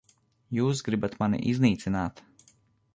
Jūs gribat mani iznīcināt.